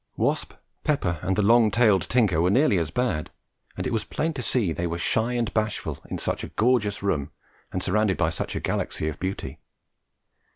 Wasp, Pepper, and the long tailed Tinker were nearly as bad, and it was plain to see they were shy and bashful in such a gorgeous room and surrounded by such a galaxy of beauty.